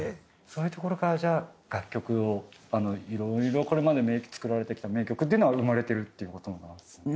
そういうところからじゃあ楽曲をいろいろこれまで作られてきた名曲っていうのは生まれてるっていう事なんですね。